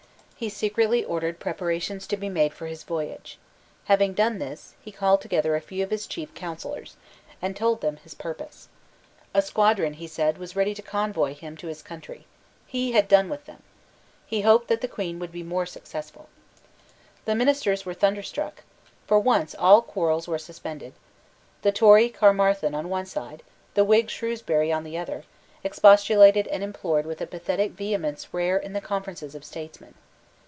He secretly ordered preparations to be made for his voyage. Having done this, he called together a few of his chief counsellors, and told them his purpose. A squadron, he said, was ready to convey him to his country. He had done with them. He hoped that the Queen would be more successful. The ministers were thunderstruck. For once all quarrels were suspended. The Tory Caermarthen on one side, the Whig Shrewsbury on the other, expostulated and implored with a pathetic vehemence rare in the conferences of statesmen.